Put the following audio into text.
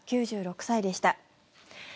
９６歳でした。